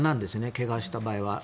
怪我をした場合は。